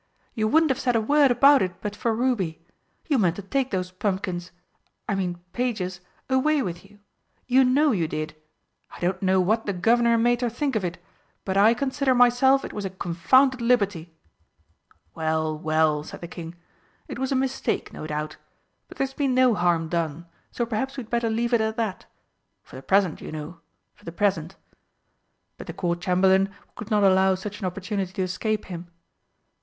"You wouldn't have said a word about it but for Ruby! You meant to take those pumpkins I mean pages away with you. You know you did! I don't know what the Guv'nor and Mater think of it but I consider myself it was a confounded liberty!" "Well, well," said the King, "it was a mistake no doubt. But there's been no harm done, so perhaps we'd better leave it at that for the present, you know, for the present." But the Court Chamberlain could not allow such an opportunity to escape him.